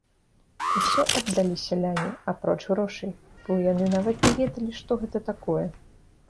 Усё аддалі сяляне, апроч грошай, бо яны нават не ведалі, што гэта такое.